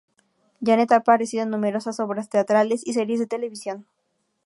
Janet ha aparecido en numerosas obras teatrales y series de televisión.